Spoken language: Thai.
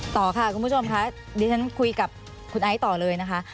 ต่อค่ะคุณผู้ชมค่ะดิฉันคุยกับคุณไอซ์ต่อเลยนะคะ